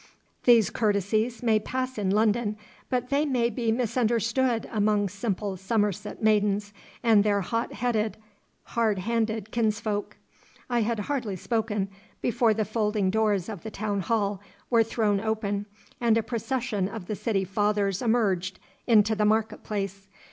'These courtesies may pass in London, but they may be misunderstood among simple Somerset maidens and their hot headed, hard handed kinsfolk.' I had hardly spoken before the folding doors of the town hall were thrown open, and a procession of the city fathers emerged into the market place.